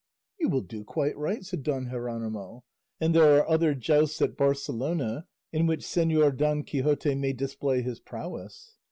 "You will do quite right," said Don Jeronimo; "and there are other jousts at Barcelona in which Señor Don Quixote may display his prowess."